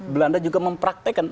belanda juga mempraktekan